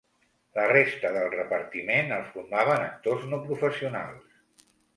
La resta del repartiment el formaven actors no professionals.